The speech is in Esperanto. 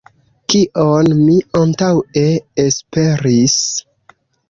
Kion mi antaŭe esperis?